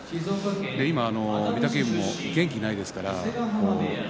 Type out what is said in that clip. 今、御嶽海も元気がないですから。